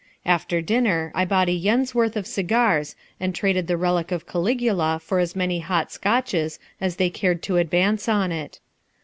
After dinner I bought a yen's worth of cigars and traded the relic of Caligula for as many hot Scotches as they cared to advance on it.